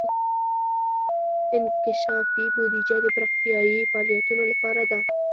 انکشافي بودیجه د پراختیايي فعالیتونو لپاره ده.